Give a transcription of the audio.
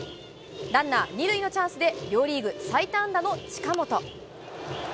ランナー２塁のチャンスで、両リーグ最多安打の近本。